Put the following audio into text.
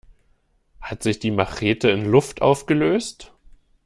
Hat sich die Machete in Luft aufgelöst?